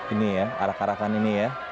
ini ya arah arahkan ini ya